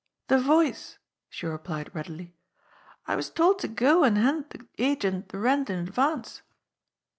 "The Voice," she replied readily. "I was told to go an* hand de agent de rent in advance."